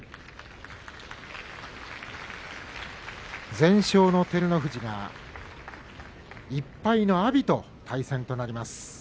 全勝の照ノ富士が１敗の阿炎と対戦となります。